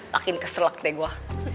makin keselak deh gua